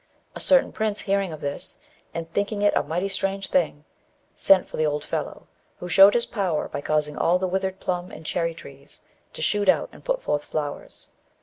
A certain prince, hearing of this, and thinking it a mighty strange thing, sent for the old fellow, who showed his power by causing all the withered plum and cherry trees to shoot out and put forth flowers.